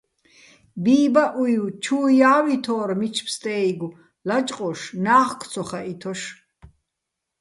ბი́ბაჸუჲვ ჩუუ ჲავჲითორ მიჩო̆ ბსტე́იგო̆, ლაჭყუშ, ნა́ხგო̆ ცო ხაჸითოშ.